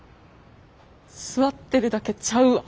座ってるだけちゃうわ。